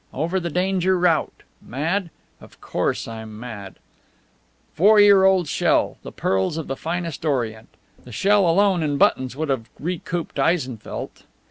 Over the danger route! Mad? Of course I'm mad! Four year old shell, the pearls of the finest orient! The shell alone in buttons would have recouped Eisenfeldt.